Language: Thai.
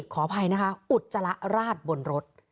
ขออภัยนะคะอุจจาระราชบนรถ